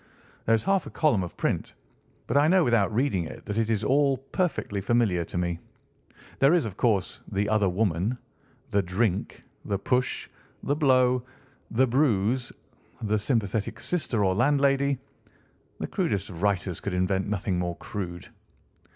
There is half a column of print, but I know without reading it that it is all perfectly familiar to me. There is, of course, the other woman, the drink, the push, the blow, the bruise, the sympathetic sister or landlady. The crudest of writers could invent nothing more crude."